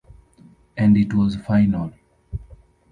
And it was final.